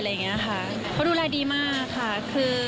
เขาดูแลดีมากค่ะคือ